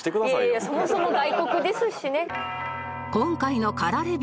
いやいやそもそも外国ですしね。